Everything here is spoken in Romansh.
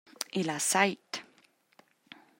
El ha seit.